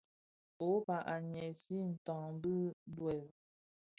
Europa a ňyisè tsag bi duel.